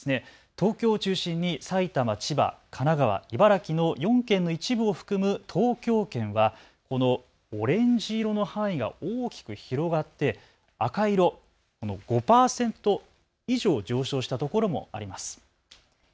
東京を中心に埼玉、千葉、神奈川、茨城の４県の一部を含む東京圏はこのオレンジ色の範囲が大きく広がって赤色５％以上上昇したところもあります。